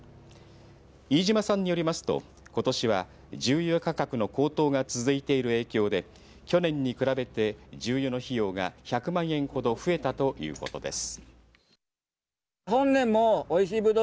飯島さんによりますとことしは重油価格の高騰が続いている影響で去年に比べて重油の費用が１００万円ほど増えたということです。